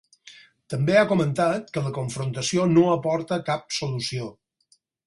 També ha comentat que la confrontació no aporta cap solució.